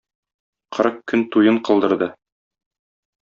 Кырык көн туен кылдырды.